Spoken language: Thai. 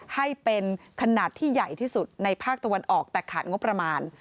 ให้เป็นขนาดที่ใหญ่ที่สุดในภาคตะวันออกแต่ขาดงบประมาณ